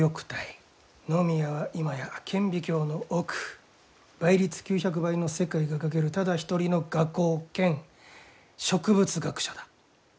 野宮は今や顕微鏡の奥倍率９００倍の世界が描けるただ一人の画工兼植物学者だ。